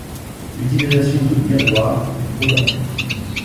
L’utilisation de miroirs est probable.